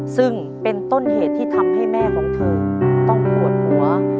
ซึ่งเป็นต้นเหตุที่ทำให้แม่ของเธอต้องปวดหัว